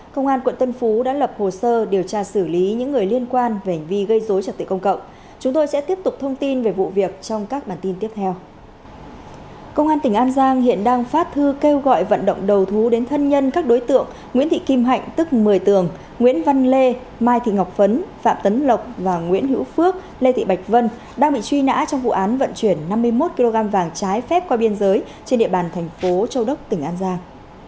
công an tỉnh an giang hiện đang phát thư kêu gọi vận động đầu thú đến thân nhân các đối tượng nguyễn thị kim hạnh tức một mươi tường nguyễn văn lê mai thị ngọc phấn phạm tấn lộc và nguyễn hữu phước lê thị bạch vân đang bị truy nã trong vụ án vận chuyển năm mươi một kg vàng trái phép qua biên giới trên địa bàn thành phố châu đốc tỉnh an giang